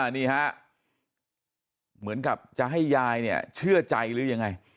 นี่ฮะเหมือนกับจะให้ยายเนี่ยเชื่อใจหรือยังไง